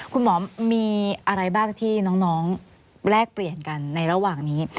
คุณหมอมีอะไรบ้างที่น้องแลกเปลี่ยนกันในระหว่างนี้